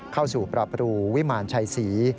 เข้าสู่ประรูวิมารชัยศรี